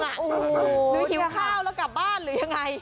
หิวข้าวแล้วกลับบ้านหรือยังไง